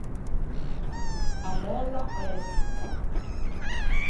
A mòlla a l’é schittâ.